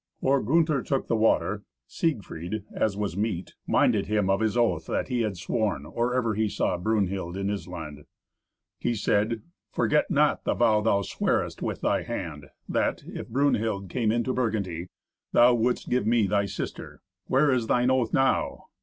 Or Gunther took the water, Siegfried, as was meet, minded him of his oath that he had sworn or ever he saw Brunhild in Issland. He said, "Forget not the vow thou swarest with thy hand, that, if Brunhild came into Burgundy, thou wouldst give me thy sister. Where is thine oath now?